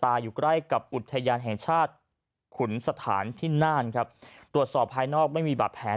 อยู่ใกล้กับอุทยานแห่งชาติขุนสถานที่น่านครับตรวจสอบภายนอกไม่มีบาดแผล